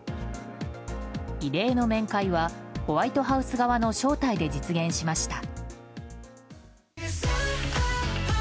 異例の面会はホワイトハウス側の招待で実現しました。